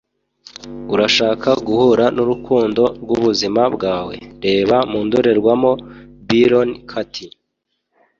urashaka guhura nurukundo rwubuzima bwawe? reba mu ndorerwamo - byron katie